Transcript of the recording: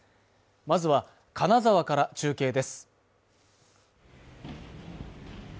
まずは金沢から中継です